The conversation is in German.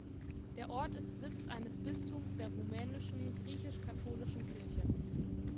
Der Ort ist Sitz eines Bistums der Rumänischen griechisch-katholischen Kirche.